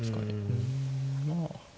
うんまあ。